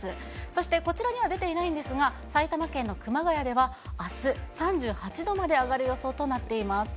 そしてこちらには出ていないんですが、埼玉県の熊谷では、あす、３８度まで上がる予想となっています。